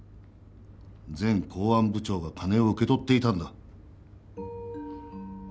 前公安部長が金を受け取っていたんだ。